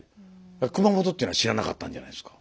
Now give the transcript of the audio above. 熊本っていうのは知らなかったんじゃないですか？